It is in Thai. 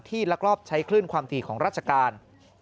ลักลอบใช้คลื่นความถี่ของราชการ